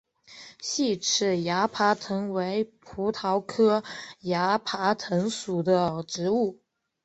细齿崖爬藤为葡萄科崖爬藤属的植物。